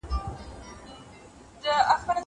نو دا دومره ګران نه دی لکه څوک چې فکر کوي.